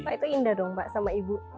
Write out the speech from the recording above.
pak itu indah dong pak sama ibu